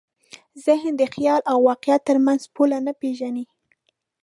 ذهن د خیال او واقعیت تر منځ پوله نه پېژني.